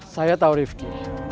saya tau rifqi